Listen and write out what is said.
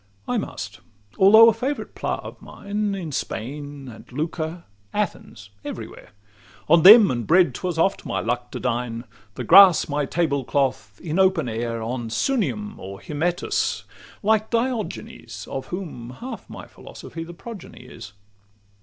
I must, although a favourite 'plat' of mine In Spain, and Lucca, Athens, every where: On them and bread 'twas oft my luck to dine, The grass my table cloth, in open air, On Sunium or Hymettus, like Diogenes, Of whom half my philosophy the progeny is.